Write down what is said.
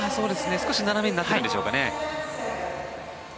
少し斜めになってるんでしょうかね。